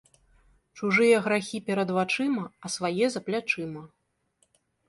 Чужыя грахі перад вачыма, а свае за плячыма